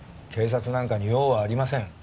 警察なんかに用はありません。